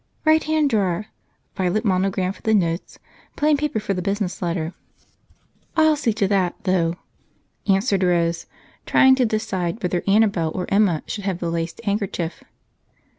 "Right hand drawer violet monogram for the notes, plain paper for the business letter. I'll see to that, though," answered Rose, trying to decide whether Annabel or Emma should have the laced handkerchief.